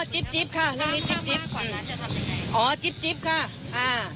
อ๋อจิ๊บจิ๊บค่ะเรื่องนี้จิ๊บจิ๊บอ๋อจิ๊บจิ๊บค่ะอ่า